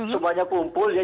semuanya kumpul ya